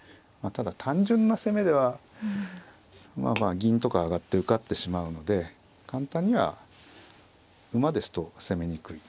ただ単純な攻めではまあまあ銀とか上がって受かってしまうので簡単には馬ですと攻めにくい。